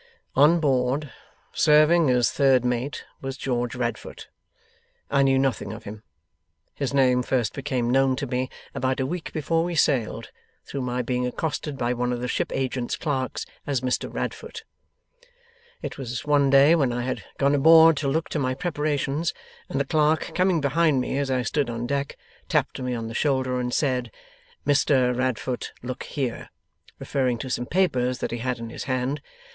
'On board serving as third mate was George Radfoot. I knew nothing of him. His name first became known to me about a week before we sailed, through my being accosted by one of the ship agent's clerks as "Mr Radfoot." It was one day when I had gone aboard to look to my preparations, and the clerk, coming behind me as I stood on deck, tapped me on the shoulder, and said, "Mr Rad foot, look here," referring to some papers that he had in his hand.